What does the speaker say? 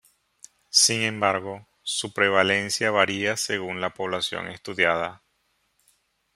Sin embargo, su prevalencia varía según la población estudiada.